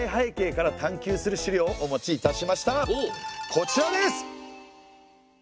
こちらです！